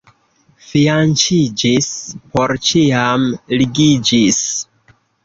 Fianĉiĝis — por ĉiam ligiĝis.